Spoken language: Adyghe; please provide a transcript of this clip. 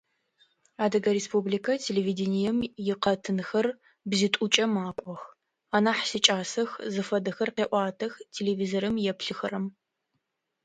Адыгэ республикэ телевидением икъэтынхэр бзитӀукӀэ макӀох, анахь сикӀасэх, зыфэдэхэр къеӀуатэх, телевизорым еплъыхэрэм.